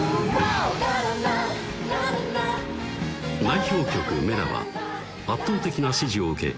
代表曲「Ｍｅｌａ！」は圧倒的な支持を受け